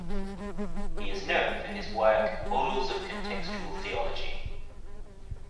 He is known for his work "Models of Contextual Theology".